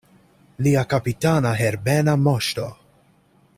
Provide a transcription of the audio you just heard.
Lia kapitana Herbena Moŝto!